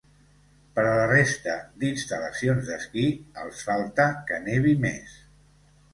Per a la resta d’instal·lacions d’esquí, els falta que nevi més.